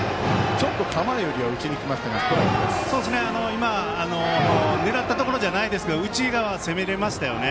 今、狙ったところじゃないですけど内側を攻められましたよね。